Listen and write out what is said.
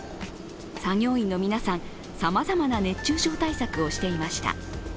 作業員の皆さん、さまざまな熱中症対策をしていました。